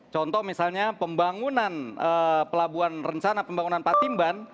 contoh misalnya pembangunan pelabuhan rencana pembangunan patimban